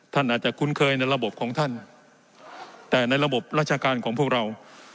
ท่านอาจจะคุ้นเคยในระบบของท่านแต่ในระบบราชการของพวกเรา